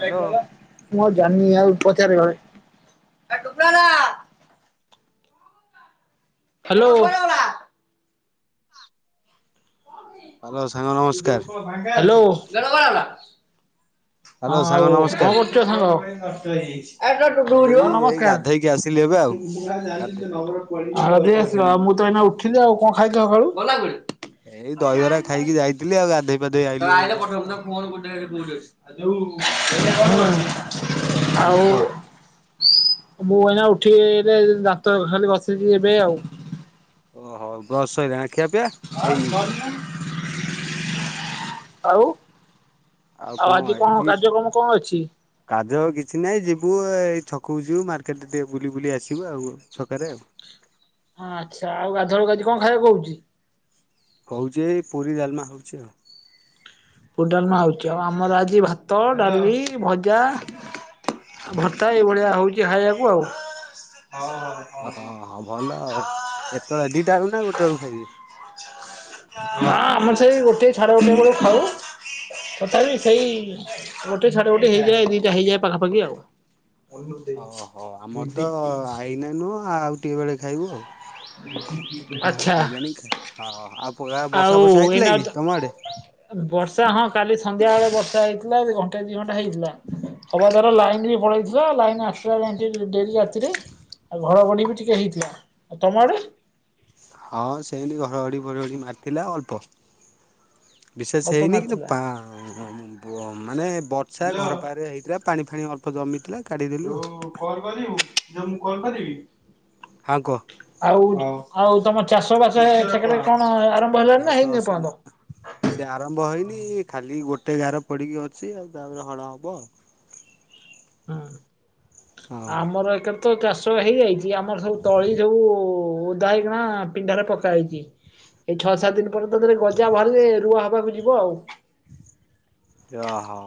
Hello. Hello. Hello ସାଙ୍ଗ ନମସ୍କାର୍। Hello. Hello ହଁ ସାଙ୍ଗ ଆଉ ନମସ୍କାର କଣ କରୁଚ ଏଇ ଏଇ ସାଙ୍ଗ? ଗାଧେଇକି ଆସିଲି ଏବେ ଆଉ। ଗାଧେ [inaudible] [inaudible] ଏଇ ଦହିବରା ଖାଇକି ଯାଇଥିଲି ଆଉ ଗାଧେଇ ପାଧେଇ [inaudible] [unintelligible] ଆଇଲି ଏଇନା ଜଷ୍ଟ ଆଉ ହୁଁ କୁହ। ମୁଁ ଏଇନା ଉଠିଲି ଯେ ଦାନ୍ତ ଖାଲି ଘସିଚି ଏବେ ଆଉ। ଓହୋ ବ୍ରସ୍ ସଇଲା ଖିଆ ପିଆ? [unintelligible] ହେଇନି ଆଉ ଆଉ ଆଜି କଣ କାର୍ଯ୍ୟକ୍ରମ କଣ ଅଛି? କାର୍ଯ୍ୟକର୍ମ କିଛି ନାହିଁ ଯିବୁ ଏଇ ଛକକୁ ଯିବୁ ମାର୍କେଟରେ ଟିକେ ବୁଲି ବୁଲି ଆସିବୁ ଆଉ ଛକରେ। ହଁ ଆଚ୍ଛା ଆଉ ଗାଧୁଆ ବେଳେ କଣ ଖାଇବାକୁ ହଉଚି? ହଉଛି ଏଇ ପୁରୀ ଡାଲ୍ମା ହଉଚି ଆଉ। ପୁରି ଡାଲ୍ମା ହଉଚି ଆଉ ଆମର ଆଜି ଭାତ, ଡାଲି, ଭଜା ଭର୍ତ୍ତା ଏଇଭଳିଆ ହଉଚି ଖାଇବାକୁ ଆଉ। ହ। ଓ ହଁ ଭଲ ଆଉ କେତେବେଳେ ଦିଟା ବେଳକୁ ନା ଗୋଟେ ବେଳକୁ ଖାଇବେ? ହ ଆମେ ସେଇ ଗୋଟେ ସାଢେ ଗୋଟେ ବେଳକୁ ଖାଉ। ତଥାପି ସେଇ ଗୋଟେ ସାଢେ ଗୋଟେ ହେଇଯାଏ ଦିଟା ହେଇଯାଏ ପାଖାପାଖି ଆଉ। ଓହୋ ଆମର ତ ଏଇନା ନୁହଁ ଆଉ ଟିକେ ବେଳେ ଖାଇବୁ ଆଉ। ଆଚ୍ଛା ଶୋଇଲାଣି [unintelligible] ଆଉ ଆଉ ବର୍ଷା ଫର୍ଷା ହେଇଥିଲା କି ଏଇନା ତମ ଆଡେ? ବର୍ଷା ହଁ କାଲି ସନ୍ଧ୍ୟା ବେଳେ ବର୍ଷା ହେଇଥିଲା ଏବେ ଘଣ୍ଟା ଦି ଘଣ୍ଟା ହେଇଥିଲା। ସମସ୍ତଙ୍କର ଲାଇନି ପଳେଇଥିଲା ଲାଇନି ଆସିବାରେ ଆଜି ଡେରି ଆଉ। ଆଉ ଘଡ ଘଡି ବି ଟିକେ ହେଇଥିଲା। ଆଉ ତମ ଆଡେ? ହଁ ସେମତି ଘଡଘଡି ଫଡଫଡି ମାରିଥିଲା ଅଳ୍ପ। ବିଶେଷ୍ ଅଳ୍ପ ହେଇନି କିନ୍ତୁ ମାରିଥିଲା। ପା-ବ-ମାନେ ବର୍ଷା ହ୍ୟାଲୋ ଘର ପାଖରେ ହେଇଥିଲା ପାଣି ଫାଣି ଅଳ୍ପ ଅଳ୍ପ ଜମିଥିଲା କାଢ଼ିଦେଲୁ ଯୋଉ ଆଉ। କଲ୍ କରିବୁ ଯେ ମୁଁ କଲ୍ କରିବି। ହାଁ କୁହ। ଆଉ- ଆଉ ତମ ଚାଷ ବାସ [unintelligible] କଣ ଆରମ୍ଭ ହେଲାଣିି ଚାଷ ନା ହେଇନି ବାସ ଏପର୍ଯ୍ୟନ୍ତ? ସେ ଆରମ୍ଭ ହେଇନି ଖାଲି ଗୋଟେ ଗାର ପଡିକି ଅଛି ଆଉ ତାପରେ ହଳ ହବ। ହୁଁ ଆଉ। ଆମର ଏକେ ତ ଚାଷ ହେଇଯାଇଚି ଆମର ସବୁ ତଳି ସବୁ ଓଦା ହେଇକିନା ପିଣ୍ଢାରେ ପକା ହେଇଚି। ଏଇ ଛଅ ସାତ୍ ଦିନ୍ ପରେ [unintelligible] ଗଜା ବାହାରିଲେ ରୁଆ ହବାକୁ ଯିବ ଆଉ। ଓ ହୋ।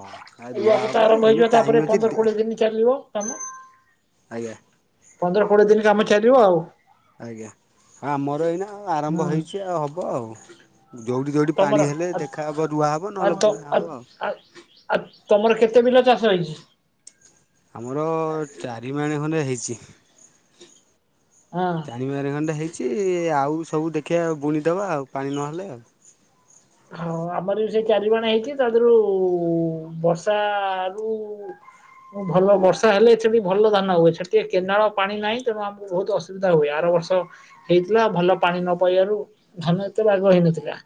ଏବେ ତ ଆରମ୍ଭ ହେଇଯିବ ତାପରେ ପନ୍ଦର ଦେ କୋଡିଏ ଦିନ ଚାଲିବ କାମ। ଆଜ୍ଞା। ପନ୍ଦର କୋଡିଏ ଦିନ୍ କାମ ଚାଲିବ ଆଉ। ଆଜ୍ଞା ଆମର ଏଇନା ଆରମ୍ଭ ହୁଁ ହେଇଚି ଆଉ ହବ ଆଉ। ଯଉଠି ଯଉଠି ତମର ପାଣି ହେଲେ ଆ ଦେଖା ହବ ରୁଆ ହବ ଆ ନହେଲେ ତ ବୁଣା ଆ ହବ ଆଉ। ଆ ଆ ତମର କେତେ ବିଲ ଚାଷ ହେଇଛି? ଆମର ଚାରି ମାଣେ ଖଣ୍ଡେ ହେଇଛି। ହଁ। ପାଣିବ ଆର ଖଣ୍ଡେ ହେଇଛି ଆଉ ସବୁ ଦେଖିବା ବୁଣିଦେବା ପାଣି ନହେଲେ ଆଉ। ହଁ ଆମର ବି ସେ ଚାରିିବାଣ ହେଇଛି ତା ଦେହରୁ ବର୍ଷା ରୁ ଭଲ ବର୍ଷା ହେଲେ ସେଠି ଭଲ ଧାନ ହୁଏ ସେଠିକେ କେନାଳ ପାଣି ନାହିଁ। ତେଣୁ ଆମକୁ ବହୁତ ଅସୁବିଧା ହୁଏ ଆର ବର୍ଷ। ହେଇଥିଲା ଭଲ ପାଣି ନ ପାଇବାରୁ ଧାନ ଏତେ ବାଗ ହେଇନଥିଲା।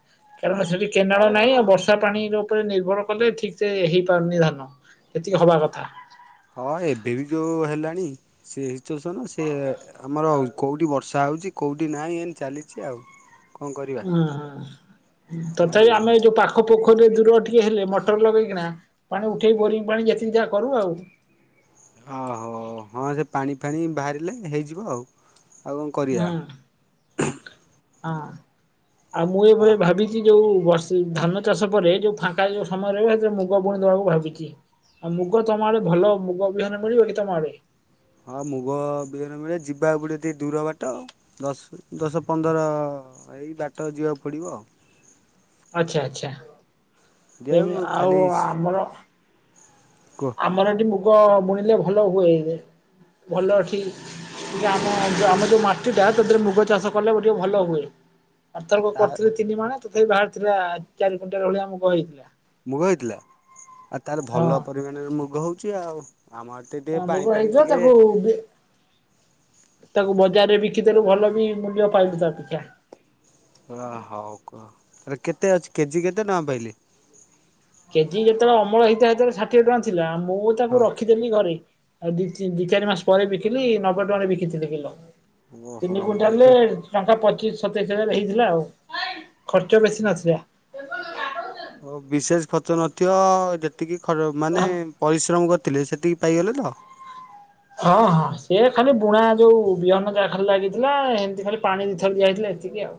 କାରଣ ସେଠି କେନାଳ ନାହିଁ ଆଉ ବର୍ଷା ପାଣିର ଉପରେ ନିର୍ଭର କଲେ ଠିକ୍ ସେ ହେଇପାରୁନି ଧାନ। ଏତିକି ହବା କଥା। ହଁ ଏବେ ବି ଯୋଉ ହେଲାଣି ସେଚୁସନ ସେ ଆମର କୋଉଠି ବ ସା ହେଉଛି କେଉଁଠି ନାହିଁ ଏମିତି ଚାଲିଛି ଆଉ। କଣ କରିବା ହଁ ହଁ ଆଉ ତଥାପି ଆମେ ଯୋଉ ପା ପାଖ ପୋଖରୀରେ ଦୂର ଟିକେ ହେଲେ ମଟର ଲଗେଇକିନା ପାଣି ଉଠେଇ ବୋରିଙ୍ଗ ପାଣି ଯେତିକି ଯାହା କରୁ ଆଉ। ଓହୋ ହଁ ସେ ପାଣି ଫାଣି ବାହାରିଲେ ହେଇଯିବ ଆଉ। ଆଉ କଣ ହୁଁ କରିବା। ହଁ ଆଉ ମୁଁ ହ ଏଭଳି ଭାବି ଯୋଉ ବର୍ଷ ଧାନ ଚାଷ ପରେ ଯୋଉ ଫାଙ୍କା ଯୋଉ ସମୟରେ ସେଥିରେ ମୁଗ ବୁଣିଦବାକୁ ଭାବିଛି। ଆଉ ମୁଗ ତମ ଆଡେ ଭଲ ମୁଗ ବିହନ ମିଳିବ କି ତମ ଆଡେ? ହଁ ମୁଗ ବିହନ ମିଳେ ଯିବାକୁ ପଡେ ଟିକିଏ ଦୂର ବାଟ। ଦଶ ଦଶ ପନ୍ଦର ଏଇ ବାଟ ଯିବାକୁ ପଡିବ। ଆଛା ଆଛା। ଯଉ ଆମର ଖାଲିସି କୁହ। ଆମର ଏଠି ମୁଗ ବୁଣିଲେ ଭଲ ହୁଏ ଭଲ ଏଠି ଜି ଆମ ଜିୟ ଆମୋ ଯୋଉ ମାଟି ଟା ତାରେ ମୁଗ ଚାଷ କଲେ ଟିକେ ଭଲ ହୁଏ। ଆ ଆର୍ଥରକ ତା କରିଥିଲେ ତିନି ମାଣେ ତଥାପି ବାହାରିଥିଲା ଚାରି କୁଣ୍ଟାଲ ଭଳିଆ ମୁଗ ହେଇଥିଲା। ମୁଗ ହେଇଥିଲା ଆଉ ତାର ଭଲ ହଁ ପରିମାଣରେ ମୁଗ ହଉଛି ଆଉ ଆମ ଆଡେ। ତ ଟିକେ ପାଣି ମୁଗ ପାଣି ହେଇଥିଲା ଟିକେ ତାକୁ ବି ତାକୁ ବଜାରରେ ବିକିଦେଲୁ ଭଲ ବି ମୂଲ୍ୟ ପାଇଲୁ ତା ପିଛା। ଓ ହଉ କୁହ କେତେ ଅଛି କେଜି କେତେ ଟଙ୍କା ପାଇଲେ। କେଜି ଯେତେବେଳେ ଅମଳ ହେଇଥିଲା ସେତେଲେ ଷାଠିଏ ଟଙ୍କ ଥିଲା ମୁଁ ହଁ ତାକୁ ରଖି ଦେ ଘରେ ଆଉ ଦ ଦି ଚାରି ମାସ ପରେ ବିକିଲି ନବେ ଟଙ୍କାରେ ବିକିଥିଲେ କିଲୋ। ଓହୋ ତିନି କୁଇଣ୍ଟାଲରେ ନବେ ଟଙ୍କା ପଚିଶ ସତେଇଶ ହଜାର ହେଇଥିଲା ଆଉ। ଖର୍ଚ୍ଚ ବେଶୀ ନଥିଲା। ହୋ ବିଶେଷ ଖର୍ଚ୍ଚ ନଥିବ ଯେତିକି ଖ ମାନେ। ହଁ ପରିଶ୍ରମ କରିଥିଲେ ସେତିକି ପାଇଗଲେ ତ। ହଁ ହଁ ସିଏ ଖାଲି ବୁଣା ଯୋଉ ବିହନ ଜା ଖାଲି ଲାଗିଥିଲା ଏମିତି ଖାଲି ପାଣି ଦିଇଥର ଯାଇଥିଲା ଏତିକି ଆଉ।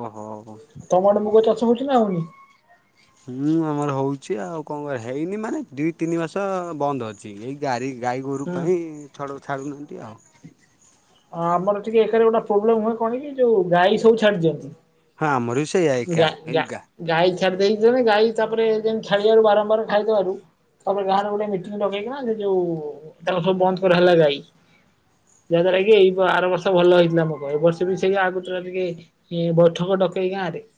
ଓହୋ। ତମଆଡ଼େ ମୁଗ ଚାଷ ହଉଛି ନା ଆଉନି। ହୁଁ ଆମର ହଉଛି ଆଉ କଣ କର ହେଇନି ମାନେ ଦୁଇ ତିନି ମାସ ବନ୍ଦ ଅଛି। ଛି ଏଇ ଗାଈ ଗାଈ ଗୋରୁ ହୁଁ ପାଇଁ ଛଡ଼ ଛାଡ଼ୁନାହାନ୍ତି ଆଉ। ଆ ଆମର ଟିକେ ଏକାରେ ଗୋଟେ ପ୍ରୋବ୍ଲେମ ହୁଏ କଣ କି ଯୋ ଗାଈ ସବୁ ଛାଡି ଦିଅନ୍ତି। ହଁ ଆମର ବି ସେଇ ଆ ଏକା ଗା ଗା ଆଁଗା। ଗାଈ ଛାଡି ଦେଇ ଯିବେ ଗାଈ ତାପରେ ଯେମିତି ଛାଡିବାରୁ ବାରମ୍ବାର ଖାଇଦବାରୁ ତାପରେ ଗାଁରେ ଗୋଟେ ମିଟିଂ ଡକେଇକିନା ଯେ ଯୋଉ ତାଙ୍କୁ ସବୁ ବନ୍ଦ କରା ହେଲା ଗାଈ। ଯାହାଦ୍ଵାରା କି ଆର ବର୍ଷ ଭଲ ହେଇଥିଲା ଭୋଗ ଏ ବର୍ଷ ବି ଆଜ୍ଞା ସେୟା ଆଗ ତା ଟିକେ ବୈଠକ ଡକେଇ ଗାଁ ରେ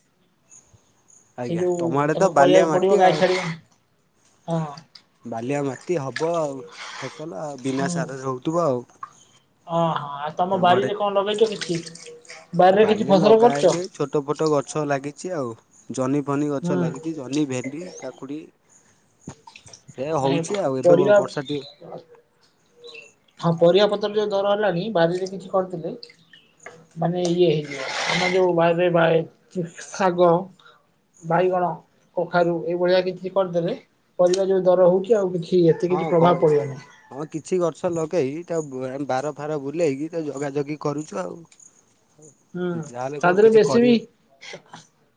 ସେ ଆଜ୍ଞା ଯୋଉ ତମ ଆଡେ ତ ତାଙ୍କୁ ବାଲିଆ କହିବାକୁ ମାଟି ପଡିବ ଗାଈ ଆଉ। ଛାଡିବ ହଁ। ବାଲିଆ ମାଟି ହବ ଆଉ ଫସଲ ଆ ବିନା ସାର ହଉଥିବ ଆଉ। ଅହଁ ଆଉ ତମ ବାରିରେ କଣ ଲଗେଇଛ କି [unintelligible] ଠ ବାଡିରେ ଲଗା ହେଇ [unintelligible] ଛୋଟ ଫୋଟ ଗଛ ଲାଗିଚି ଆଉ ଜହ୍ନି ଫନି ଗଛ ଲାଗିଚି ହୁଁ ଜହ୍ନି, ଭେଣ୍ଡି କାକୁଡ଼ି [unintelligible] ପରିବା ହଁ ପରିବା ପତ୍ର ଯୋଉ ଦର ହେଲାଣି ବାଡିରେ କିଛି କରିଥିଲେ ମାନେ ଇଏ ମାନେ ଯୋଉ ବାଡିରେ ବାଏ ସାଗ ବାଇଗଣ, କଖାରୁ ଏଇଭଳିଆ କିଛି କରିଦେଲେ ପରିବା ଯୋଉ ଦର ହଉଚି ଆଉ କିଛି ଏତେ ହଁ କିଛି ପ୍ରଭାବ କଣ ହେଇଛି ପଡିବନି ହଁ କିଛି ଗଛ ଲଗେଇ ତାକୁ ବାର ଫାର ବୁଲେଇକି ତା ଜଗାଜଗି କରୁଛୁ ଆଉ। ହୁଁ ଯାହାହେଲେ ତା କଣ ଦେହରେ କିଛି ବେଶୀ ବି କରିବେ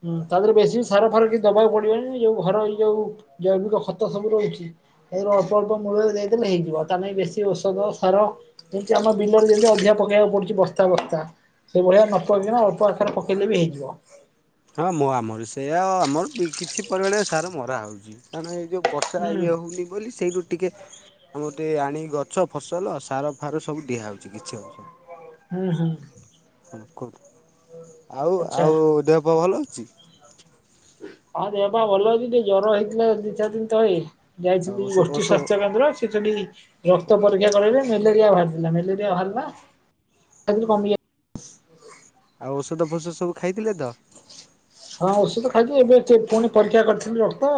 ହୁ ତାଦେହରେ ବେଶୀ ବି ସାର ଫାର କିଛି ଦବାକୁ ପଡିବନି ଯଉ ଘର ଏଇ ଯଉ [unintelligible] ଖତ ସବୁ ରହୁଛି। ଏଇଥି ଅଳ୍ପ ଅଳ୍ପ ମୂଳରେ ଦେଇଦେଲେ ହେଇଯିବ ତା ନାଗି ବେଶୀ ଔଷଧ ସାର। ଯେମତି ଆମ ବିଲରେ ଯେମିତି ଅଧିକା ପକେଇବାକୁ ପଡୁଛି ବସ୍ତା ବସ୍ତା। ସେଇ ଭଳିଆ ନ ପକେଇବା ଅଳ୍ପ ଆକାରରେ ପକେଇଲେ ବି ହେଇଯିବ। ହଁ ମୋ ଆମର ସେଇଆ ଆମର କିଛି ପରିମାଣ ସାର ମରା ହେଉଚି କାରଣ ଏଇ ଯେଉଁ ବର୍ଷା ହୁଁ ଇଏ ହେଉନି ବୋଲି ସେଇଠୁ। ଟିକେ ଗୋଟେ ଆଣିିକି ଗଛ ଫସଲ ସାର ଫାର ସବୁ ଦିଆ ହେଉଚି କିଛି ଅଂଶ। ହୁଁ ହୁଁ। ଆଉ ଆଚ୍ଛା ଆଉ ଦେହ ପା ଭଲ ଅଛି। ହଁ ଦେହ ପା ଭଲ ଅଛି ଟିକେ ଜର ହେଇଥିଲା ଦି ଚାରି ଦିନ ତଳେ। ଆଉ ଯାଇଥିଲି ଔଷ ଗୋଷ୍ଠୀ ଔଷ ସ୍ବାସ୍ଥ୍ୟ କେନ୍ଦ୍ର ସେ ସେଠି। ରକ୍ତ ପରୀକ୍ଷା କଲେ ଯେ ମ୍ୟାଲେରିଆ ବାହାରିଥିଲା ମ୍ୟାଲେରିଆ ବାହାରିଲା। ଯାଇଛି ଆଉ ଔଷଧ ଫଷଧ ସବୁ ଖାଇଥିଲେ ତ। ହଁ ଔଷଧ ଖାଇକି ଏବେ ଠିକ୍ ପରୀକ୍ଷା କରିଥିଲି ରକ୍ତ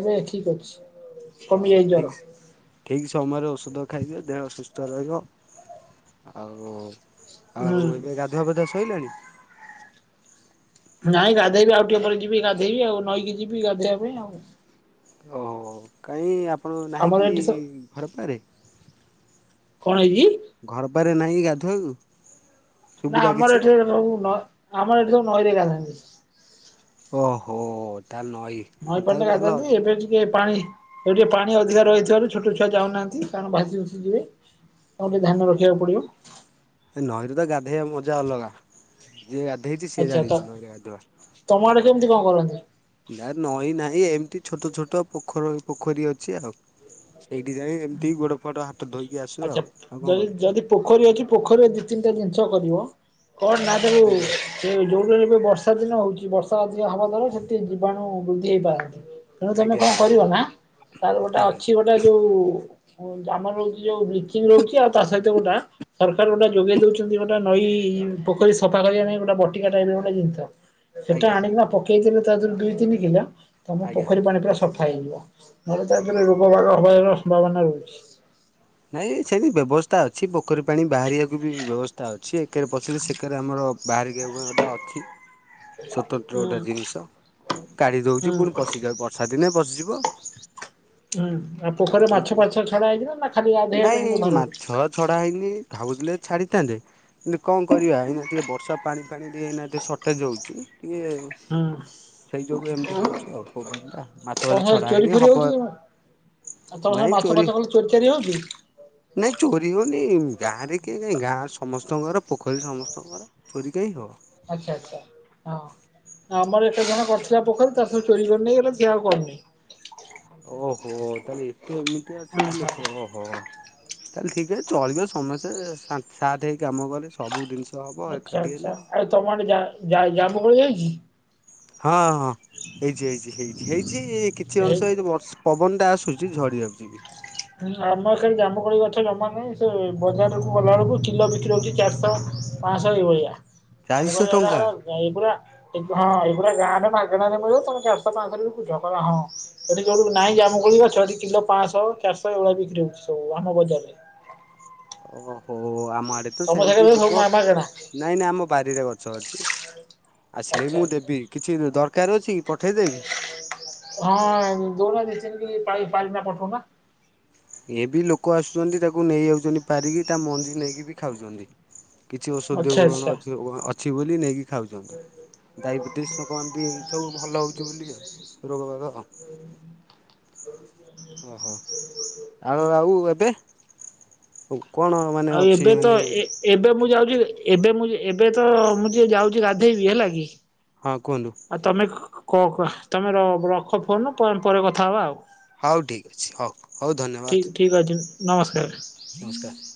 ଏବେ ଠିକ୍ ଅଛି। ହ କମି ଯାଇଛି ଜର। ଠିକ୍। ଠିକ୍ ସମୟରେ ଔଷଧ ଖାଇଦିଅ ଦେହ ସୁସ୍ଥ ରହିବ। ଆଉ ହୁଁ ଆଉ ଏବେ ଗାଧୁଆ ପାଧୁଆ ଶଇଲାଣି? ନାଇଁ ଗାଧେଇବି ଆଉ ଟିକେ ପରେ ଯିବି ଗାଧେଇ ଆଉ ନଈକି ଯିବି ଗାଧେଇବା ପାଇଁ ଆଉ। ଓ ହୋ କାହିଁ ଆପଣର ନାହିଁ ଆମର କି ଏଠି ସ ଘର ପାଖରେ। କଣ ହେଇଛି? ଘର ପାଖରେ ନାହିଁକି ଗାଧେଇବାକୁ? ନା ଆମର ଏଠି ସବୁ ନ ଆମର ଏଠି ସବୁ ନଈରେ ଗାଧାନ୍ତି। ଓହୋ ତା ନଇ ନଈ ପାଣି ଗାଧାନ୍ତି ଏବେ ଟିକେ ପାଣି ଏଠିକେ ପାଣି ଅଧିକା ରହିଥିବାରୁ ଛୋଟ ଛୁଆ ଯାଉନାହାନ୍ତି କାରଣ ଭାସି ଭୁସି ଯିବେ। ଆଉ ଟିକେଏ ଧ୍ୟାନ ରଖିବାକୁ ପଡିବ। ନଈରୁ ତ ଗାଧୋଇବା ମଜା ଅଲଗା ଯିଏ ଗାଧେଇଚି ସିଏ ଆଚ୍ଛା ତ ଜାଣିଚି ନଈରେ ଗାଧୁଆ। ତମ ଆଡେ କେମିତି କଣ କରନ୍ତି? ନା ନଈଁ ନାହିଁ ଏମିତି ଛୋଟ ଛୋଟ ପୋଖରୀ ପୋଖରୀ ଅଛି ଆଉ। ହେଇଠି ଯାଇ ଏମିତି ଗୋଡ ଫୋଡ ହାତ ଧୋଇକି ଆସୁ ଆଚ୍ଛା ଆଉ। ଆଉ କଣ ଯଦି କରେ? ଯଦି ପୋଖରୀ ଅଛି, ପୋଖରୀରେ ଦି ତିନିଟା ଜିନିଷ କରିବ। କଣ ନା ଯୋଉ ଆଜ୍ଞା ସେ ଯୋଉବେଳେ ଏବେ ବର୍ଷା ଦିନ ହଉଛି ବର୍ଷା ଅଧିକ ହବା ଦ୍ଵାରା ସେଥିରେ ଜୀବାଣୁ ବୃଦ୍ଧି ହେଇପାରନ୍ତି। ତେଣୁ ତମେ ଆଜ୍ଞା କଣ ଆଜ୍ଞା। କରିବ ନା, ତାର ଗୋଟା ଆଜ୍ଞା ଅଛି ଗୋଟା ଯୋଉ ଜାମା ରହୁଛି ଯୋଉ ବ୍ଲିଚିଂ ରହୁଛି ଆଉ ତା ସହିତ ଗୋଟା ସରକାର ଗୋଟା ଯୋଗେଇ ଦଉଛନ୍ତି ଗୋଟା ନଈ ପୋଖରୀ ସଫା କରିବା ପାଇଁ ଗୋଟେ ବଟିକା ଟାଇପର ଗୋଟେ ଜିନିଷ। ସେଟା ଆଜ୍ଞା ଆଣିକିନା ପକେଇଦେଲେ ତା ଦେହରୁ ଦିଇ ତିନି କିଲ୍ଲ, ତମ ଆଜ୍ଞା ପୋଖରୀ ପାଣି ପୁରା ସଫା ହେଇଯିବ। ଆଜ୍ଞା। [unintelligible] ରୋଗ ବାଗ ହବାର ସମ୍ଭାବନା ରହୁଛି। ନାଇଁ ସେଠି ବ୍ୟବସ୍ଥା ଅଛି। ପୋଖରୀ ପାାଣି ବାହାରିବାକୁ ବି ବ୍ୟବସ୍ଥା ଅଛି। ଏକେରେ ପଶିଲେ ସେକେରେ ଆମର ବାହାରିିକିବା ପାଇଁ ଗୋଟା ଅଛି। ସତନ୍ତ୍ର ଗୋଟେ ହୁଁ ଜିନିଷ କାଢ଼ି ଦଉଛି। ହୁଁ ପୁଣି ପଶିଯାଉ ବର୍ଷା ଦିନେ ପଶିଯିବ। ହୁଁ ଆଉ ପୋଖରୀରେ ମାଛ ଏମିତି। ଫାଛ ଛଡା ହେଇଛି ନା ଖାଲି ଗାଧେଇବା ନାଇଁ ପାଇଁ ବ୍ୟବହାର ମାଛ ହଉଛି। ଛଡା ହେଇନି। ଭାବୁଥିଲେ ଛାଡିଥାନ୍ତେ, କିନ୍ତୁ କଣ କରିଆ? ଏଇନୁ ଟିକେ ବର୍ଷା ପାଣି ପାଣି ଟିକେ ଏଇନା ଟିକେ ସର୍ଟେଜ୍ ହଉଛି। ଟିକେ ହୁଁ ହେଇଯୋଗୁ ଏମତି ହଉଛି ଆଉ ପ୍ରୋବ୍ଲେମ ଟା। ମାଛ ତମ ଫାଛ ସାଡେ ଛଡା ଚୋରି ହେଇନି, ଫୋରି ହବ। ହଉଛି କି? ଆଉ ତମର କଁ ମାଛ ଫାଛ କଣ ଚୋରି ଚାରି ହଉଛି? ନାଇଁ ଚୋରି ହଉନି। ଗାଁରେ କିଏ କାଇଁ, ଗାଁ ସମସ୍ତଙ୍କର। ପୋଖରୀ ସମସ୍ତଙ୍କର। ଚୋରି କାହିଁକି ହବ? ଆଚ୍ଛା, ଆଚ୍ଛା ହଁ। ଆମର ଏଠେଇ ଜଣେ କରିଥିଲା ପୋଖରୀ। ତାର ସବୁ ଚୋରି କରି ନେଇଗଲେ ସେ ଆଉ କରିନି। ଓହୋଃ। ତାହେଲେ ଏତେ ଏମିତିଆ ଅଛନ୍ତି ଓହୋ ଲୋକ ଓହୋଃ। ତାହେଲେ ଠିକରେ ଚଳିବ। ସମସ୍ତେ ସାନ୍ତ ସାଥ ହେଇ କାମ କଲେ ସବୁ ଜିନିଷ ହବ ଆଚ୍ଛା ଏକାଠି ହେଲେ ଆଚ୍ଛା ଆଉ। ତମ ଆଡେ ଜା ଜା ଜାମୁକୋଳି ହେଇଛି? ହଁ ହଁ ହେଇଛି- ହେଇଛି- ହେଇଛି -ହେଇଛି କିଛି ଏଇ ଅଂଶ ଏଇଯୋଉ ବର୍ଷା ପବନଟା ଆସୁଛି ଝଡ଼ିି ଯାଉଛି ବି। ହୁଁ ଆମର ସିଆଡେ ଜାମୁକୋଳି ଗଛ ଜମା ନାହିଁ। ସେ ବଜାରକୁ ଗଲା ବେଳକୁ କିଲ ବିକ୍ରି ହଉଛି ଚାରିଶହ। ହଁ ସେଇଭଳିଆ। ଚାରିଶହ ଟଙ୍କା [unintelligible] ଏଇ ପରା ହଁ ଏଗୁରା ଗାଁ ରେ ମାଗଣା ରେ ମିଳିବ। [unintelligible] ସେଠି ଯୋଉଠୁ ନାଇଁ ଜାମୁକୋଳି ଗଛ। ହେଠି କିଲ ପାଞ୍ଚଶହ ଚାରିଶହ ଏଇଭଳିଆ ବିକ୍ରି ହଉଛି ସବୁ ଆମ ବଜାରରେ। ଓହୋଃ, ଆମ ଆଡେ ତ ତମ ସେମିତି ଯିବ [unintelligible] ନାଇଁ ନାଇଁ ଆମ ବାରିରେ ଗଛ ଅଛି। ଆସିଲେ ବି ଆଚ୍ଛା ମୁଁ ଆଚ୍ଛା। ଦେବି। କିଛି ଦରକାର ଅଛି କି ପଠେଇଦେବି? ହଁ ଦଉନ ଦି ଚାରି କିଲି ପାରି ପାରିକିନା ପଠଉନ। ଏ ବି ଲୋକ ଆସୁଛନ୍ତି ତାକୁ ନେଇ ଯାଉଛନ୍ତି ପାରିକି। ତା ମଞ୍ଜି ନେଇକି ବି ଖାଉଛନ୍ତି। କିଛି ଔଷଧୀୟ ଆଚ୍ଛା ଗୁଣନ ଆଚ୍ଛା। ଅଛି। ଅଛି ବୋଲି ନେଇକି ଖାଉଛନ୍ତି। ଡାଇବେଟିସ ଲୋକୋମାନେ ଟିକେ ଏଇଥବ ଭଲ ହଉଛି ବୋଲି ଆଉ ରୋଗ ବାଗ ଆଉ। [inaudible] ଓହୋ ଆଉ ଆଉ ଏବେ କଣ ମାନେ ଆଉ ଅଛି ଏବେ ତ ମାନେ ଏ ଏବେ ମୁଁ ଯାଉଚି, ଏବେ ମୁଁ ଏବେ ତ ମୁଁ ଟିକେ ଯାଉଛି ଗାଧୋଇବି ହେଲା କି? ହଁ କୁହନ୍ତୁ। ଆଉ ତମେ କ ତମେ ର ରଖ ଫୋନ ପ ପରେ କଥା ହବା ଆଉ। ହଉ ଠିକ୍ ଅଛି ହଉ, ହଉ ଠିକ୍ ଧନ୍ୟବାଦ। ଠିକ୍ ଅଛି, ନମସ୍କାର। ନମସ୍କାର।